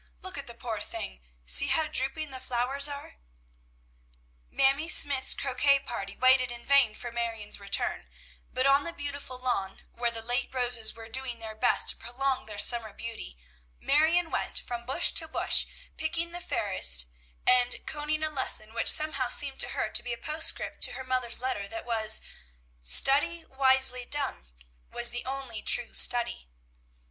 Look at the poor thing! See how drooping the flowers are!" Mamie Smythe's croquet party waited in vain for Marion's return; but on the beautiful lawn, where the late roses were doing their best to prolong their summer beauty, Marion went from bush to bush, picking the fairest, and conning a lesson which somehow seemed to her to be a postscript to her mother's letter, that was, "Study wisely done was the only true study."